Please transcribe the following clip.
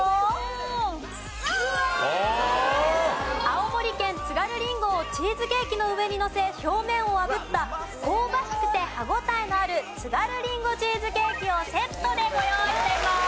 青森県津軽りんごをチーズケーキの上にのせ表面をあぶった香ばしくて歯応えのある津軽りんごチーズケーキをセットでご用意しています。